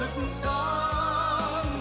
trong trái tim con